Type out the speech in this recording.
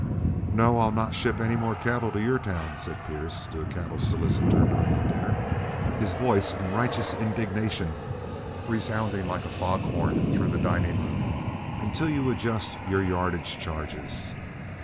"No, I'll not ship any more cattle to your town," said Pierce to a cattle solicitor during the dinner, his voice in righteous indignation resounding like a foghorn through the dining room, "until you adjust your yardage charges.